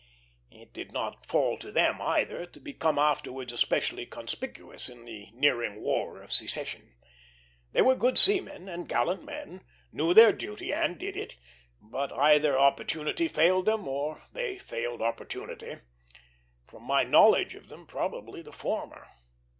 It did not fall to them, either, to become afterwards especially conspicuous in the nearing War of Secession. They were good seamen and gallant men; knew their duty and did it; but either opportunity failed them, or they failed opportunity; from my knowledge of them, probably the former.